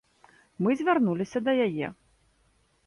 Мы звярнуліся да яе.